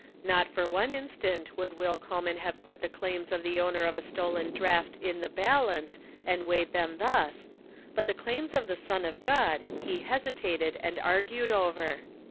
Not for one instant would Will Coleman have put the claims of the owner of a stolen draft in the balance and weighed them thus, but the claims of the Son of God he hesitated and argued over.